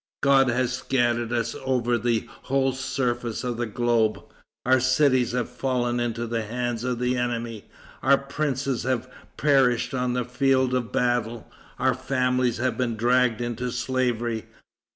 God has scattered us over the whole surface of the globe. Our cities have fallen into the hands of the enemy. Our princes have perished on the field of battle. Our families have been dragged into slavery.